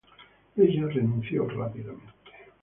Ella renunció rápidamente.